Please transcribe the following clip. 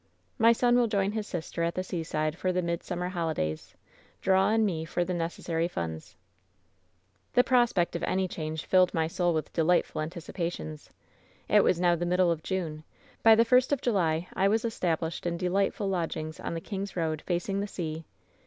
" 'My son will join his sister at the seaside for the midsummer holidays. Draw on me for the necessary funds.' WHEN SHADOWS DIE 168 ^^The prospect of any change filled my soul with de lightful anticipations. "It was now the middle of Jime. By the first of July I was established in delightful lodgings on the King's Koad, facing the sea.